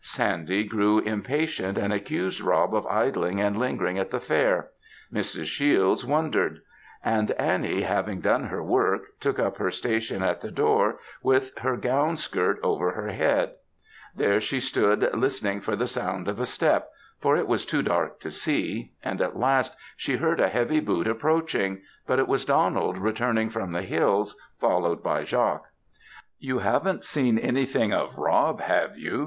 Sandy grew impatient and accused Rob of idling and lingering at the fair; Mrs. Shiels wondered; and Annie having done her work, took up her station at the door with her gown skirt over her head; there she stood listening for the sound of a step, for it was too dark to see, and at last, she heard a heavy foot approaching, but it was Donald returning from the hills, followed by Jock. "You haven't seen anything of Rob, have you?"